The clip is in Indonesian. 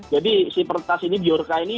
jadi si ipertas ini di urk ini